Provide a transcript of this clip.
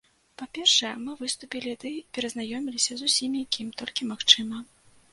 Па-першае, мы выступілі ды перазнаёміліся з усімі, кім толькі магчыма.